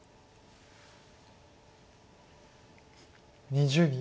２０秒。